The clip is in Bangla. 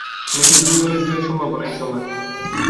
ম্যাচে দুই দলের জয়ের সম্ভাবনাই সমান।